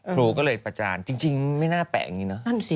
ครูก็เลยประจานจริงไม่น่าแปลงเนี่ยเนอะ